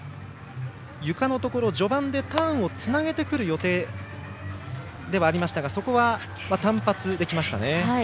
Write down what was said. ゆかのところ、序盤でターンをつなげてくる予定ではありましたがそこは単発できました。